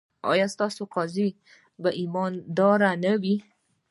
ایا ستاسو قاضي به ایماندار نه وي؟